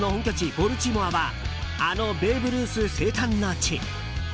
ボルチモアはあのベーブ・ルース生誕の地。